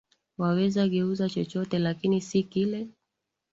Waweza guza chochote lakini si kile